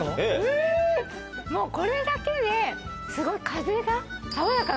もうこれだけですごい風が。